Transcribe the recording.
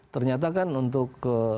ternyata kan untuk